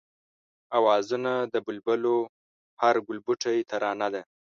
آوازونه د بلبلو هر گلبوټی ترانه ده